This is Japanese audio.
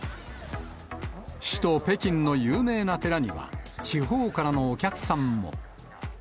首都北京の有名な寺には、地方からのお客さんも。